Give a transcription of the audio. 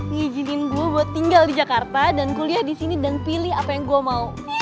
mengizinin gue buat tinggal di jakarta dan kuliah di sini dan pilih apa yang gue mau